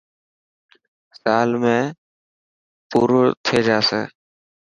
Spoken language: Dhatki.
سال ۾ پورو ٿي جاسي.